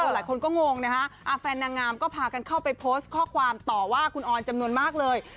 หลายคนก็งงนะคะแฟนนางงามก็พากันเข้าไปโพสต์ข้อความต่อว่าคุณออนจำนวนมากเลย